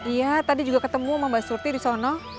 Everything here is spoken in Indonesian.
iya tadi juga ketemu sama mbak surti di sana